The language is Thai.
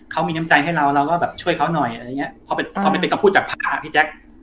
เขามีน้ำใจให้เราเราก็แบบช่วยเขาหน่อยอะไรอย่างเงี้ยเพราะเป็นพูดจากพระ